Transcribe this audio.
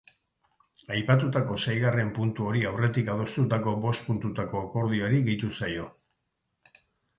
Aipatutako seigarren puntu hori aurretik adostutako bost puntuko akordioari gehitu zaio.